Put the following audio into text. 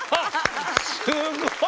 すごい！